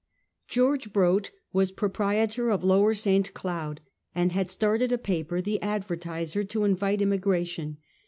George Bkott was proprietor of lower St. Cloud and had started a paper, The Advertiser^ to invite immigration.